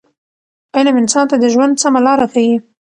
علم انسان ته د ژوند سمه لاره ښیي.